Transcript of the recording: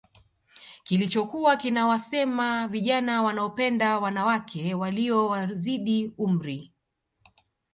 Kilichokuwa kinawasema vijana wanaopenda wanawake Walio wazidi umri